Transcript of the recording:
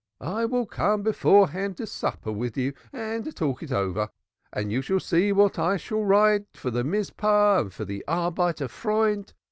I will come beforehand to supper with you to talk it over, and you shall see what I will write for the Mizpeh and the Arbeiter freund.